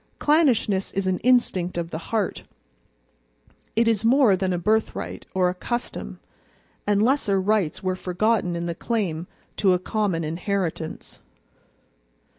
Clannishness is an instinct of the heart, it is more than a birthright, or a custom; and lesser rights were forgotten in the claim to a common inheritance.